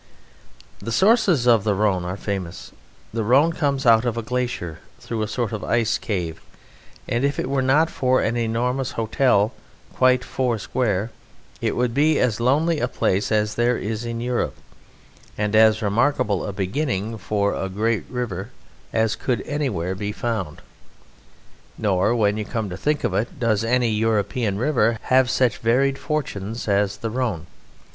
The sources of the Rhone are famous: the Rhone comes out of a glacier through a sort of ice cave, and if it were not for an enormous hotel quite four square it would be as lonely a place as there is in Europe, and as remarkable a beginning for a great river as could anywhere be found. Nor, when you come to think of it, does any European river have such varied fortunes as the Rhone.